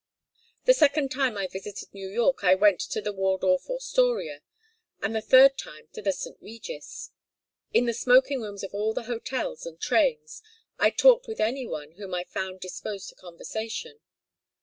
The second time I visited New York I went to the Waldorf Astoria, and the third time to the St. Regis. In the smoking rooms of all the hotels and trains I talked with any one whom I found disposed to conversation.